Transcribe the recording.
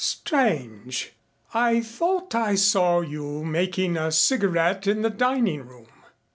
"Strange. I thought I saw you making a cigarette in the dining room."